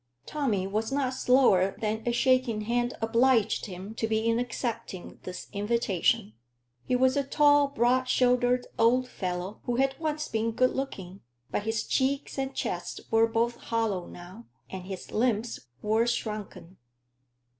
Tommy was not slower than a shaking hand obliged him to be in accepting this invitation. He was a tall, broad shouldered old fellow, who had once been good looking; but his cheeks and chest were both hollow now, and his limbs were shrunken.